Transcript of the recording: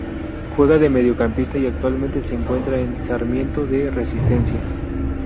Juega de mediocampista y actualmente se encuentra en Sarmiento de Resistencia.